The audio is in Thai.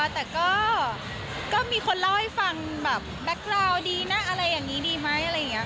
แต่ก็มีคนเล่าให้ฟังแบ็คกราวดีนะอะไรอย่างนี้ดีไหม